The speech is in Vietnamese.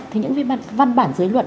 thì những văn bản dưới luật